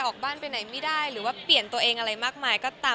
ออกบ้านไปไหนไม่ได้หรือว่าเปลี่ยนตัวเองอะไรมากมายก็ตาม